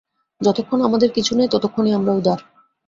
যতক্ষণ আমাদের কিছু নাই, ততক্ষণই আমরা উদার।